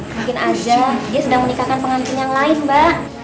mungkin aja dia sedang menikahkan pengantin yang lain mbak